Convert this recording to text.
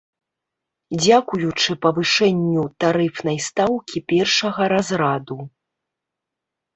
Дзякуючы павышэнню тарыфнай стаўкі першага разраду.